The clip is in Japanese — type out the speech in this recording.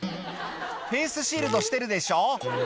フェースシールドしてるでしょ？